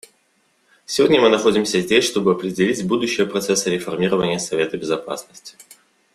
Сегодня мы находимся здесь, чтобы определить будущее процесса реформирования Совета Безопасности.